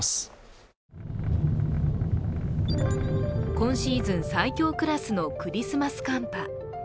今シーズン最強クラスのクリスマス寒波。